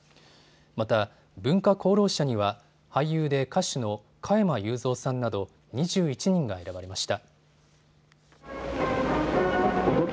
また文化功労者には俳優で歌手の加山雄三さんなど２１人が選ばれました。